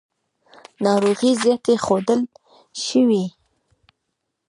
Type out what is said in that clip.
ناروغۍ زیاتې ښودل شوې.